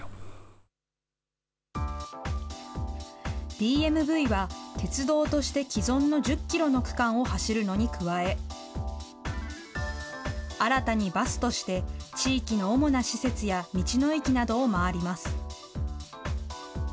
ＤＭＶは、鉄道として既存の１０キロの区間を走るのに加え、新たにバスとして、地域の主な施設や道の駅などを回ります。